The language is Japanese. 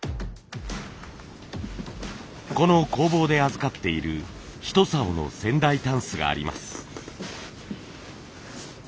この工房で預かっている一棹の仙台箪笥があります。